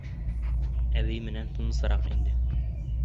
Әбей менән тынысыраҡ инде.